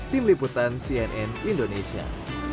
tim liputan cnn indonesia